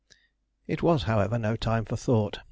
It was, however, no time for thought.